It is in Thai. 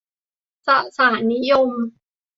สสารนิยม